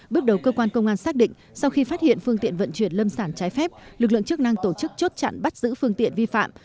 bước đầu cơ quan công an xác định sau khi phát hiện phương tiện vận chuyển lâm sản trái phép lực lượng chức năng tổ chức chốt chặn bắt giữ phương tiện vi phạm